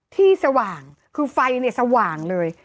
สว่างคือไฟเนี่ยสว่างเลย